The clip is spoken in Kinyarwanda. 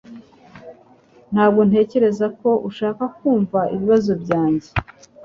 Ntabwo ntekereza ko ushaka kumva ibibazo byanjye